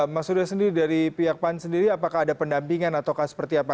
mas uda sendiri dari pihak pan sendiri apakah ada pendampingan atau seperti apa